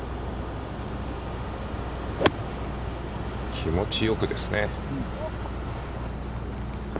気持ちよくですね。